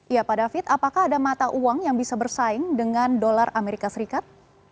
ya pak david apakah ada mata uang yang bisa bersaing dengan dolar amerika serikat